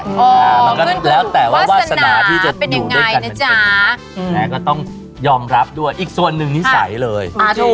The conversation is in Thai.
อ๋อมันก็แล้วแต่ว่าวาสนาที่จะอยู่ด้วยกันเป็นอย่างไรแล้วก็ต้องยอมรับด้วยอีกส่วนนึงนิสัยเลย